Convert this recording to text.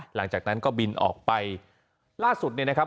หลังจากนั้นก็บินออกไปล่าสุดเนี่ยนะครับ